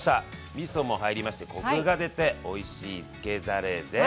みそも入りましてコクが出ておいしいつけだれです！